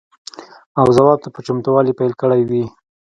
او ځواب ته په چتموالي پیل کړی وي.